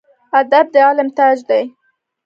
ادب د علم تاج دی